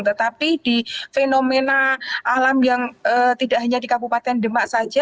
tetapi di fenomena alam yang tidak hanya di kabupaten demak saja